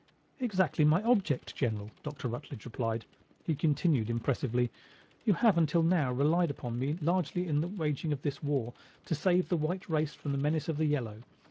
"Exactly my object, general," Dr. Rutledge replied. He continued impressively: "You have until now relied upon me largely in the waging of this war to save the white race from the menace of the yellow.